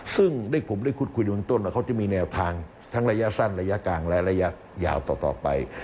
ซึ่งผมได้คุดคุยอยู่เมืองต้นว่าเขาจะมีแนวทางทั้งระยะสั้นระยะกลางและระยะยาวต่อไป